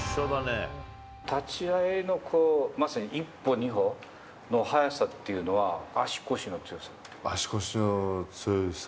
立ち合いのまさに１歩、２歩の速さっていうのは、足腰の強さ？